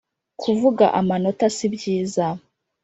kuvuga amanota sibyiza